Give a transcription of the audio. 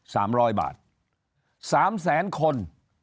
สามแสนคน